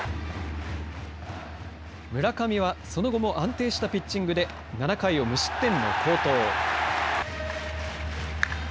村上はその後も安定したピッチングで７回を無失点の好投。